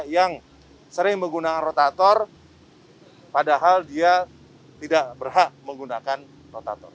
yang sering menggunakan rotator padahal dia tidak berhak menggunakan rotator